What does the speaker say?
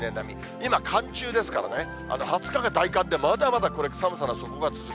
今、寒中ですからね、２０日が大寒で、まだまだこれから寒さの底が続く。